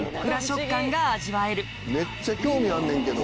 めっちゃ興味あんねんけど。